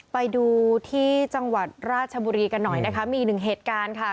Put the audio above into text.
ไปดูที่จังหวัดราชบุรีกันหน่อยนะคะมีหนึ่งเหตุการณ์ค่ะ